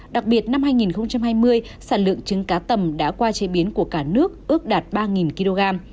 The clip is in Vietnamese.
đặc biệt năm hai nghìn hai mươi sản lượng trứng cá tầm đã qua chế biến của cả nước ước đạt ba kg